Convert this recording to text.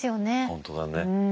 本当だね。